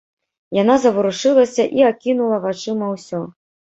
Яна заварушылася і акінула вачыма ўсё.